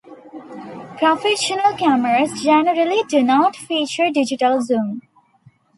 Professional cameras generally do not feature digital zoom.